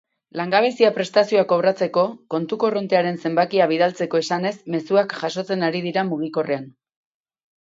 Langabezia-prestazioa kobratzeko kontu korrontearen zenbakia bidaltzeko esanez mezuak jasotzen ari dira mugikorrean.